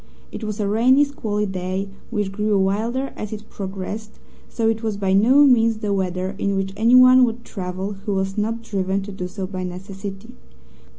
It was a rainy, squally day, which grew wilder as it progressed, so it was by no means the weather in which anyone would travel who was not driven to do so by necessity.